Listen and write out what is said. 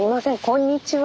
こんにちは。